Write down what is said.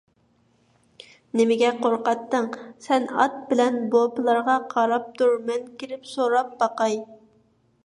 نېمىگە قورقاتتىڭ، سەن ئات بىلەن بوپىلارغا قاراپ تۇر، مەن كىرىپ سوراپ باقاي.